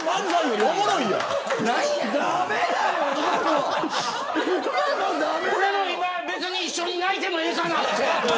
俺も、今別に一緒に泣いてもええかなって。